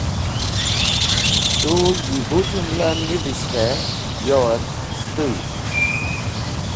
Tu yi bu jũmla nivish k̃hẽ yor sẽtũy